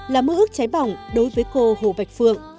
là mơ ước cháy bỏng đối với cô hồ bạch phượng